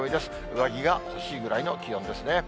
上着が欲しいくらいの気温です。